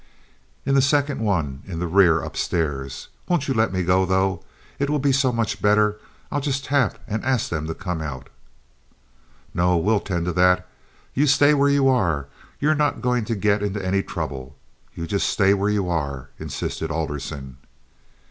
"In the second one in the rear up stairs. Won't you let me go, though? It will be so much better. I'll just tap and ask them to come out." "No. We'll tend to that. You stay where you are. You're not going to get into any trouble. You just stay where you are," insisted Alderson.